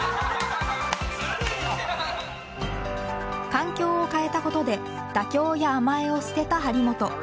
環境を変えたことで妥協や甘えを捨てた張本。